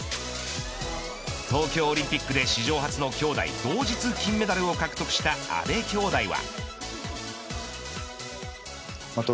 東京オリンピックで、史上初のきょうだい同日金メダルを獲得した阿部きょうだいは。